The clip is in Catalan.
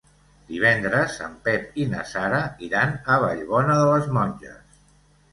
Divendres en Pep i na Sara iran a Vallbona de les Monges.